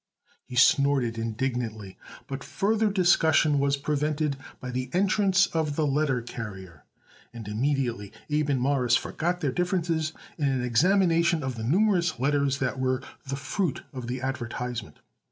He snorted indignantly, but further discussion was prevented by the entrance of the letter carrier, and immediately Abe and Morris forgot their differences in an examination of the numerous letters that were the fruit of the advertisement.